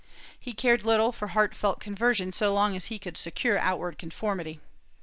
He cared little for heart felt conversion so long as he could secure outward conformity.